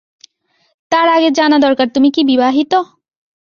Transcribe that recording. তার আগে জানা দরকার তুমি কি বিবাহিত?